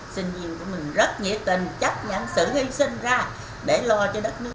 sinh viên của mình rất nhiệt tình chấp nhận sự hy sinh ra để lo cho đất nước